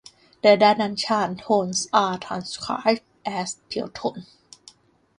The Dananshan tones are transcribed as pure tone.